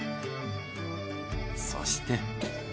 そして。